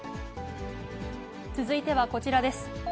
続いてはこちらです。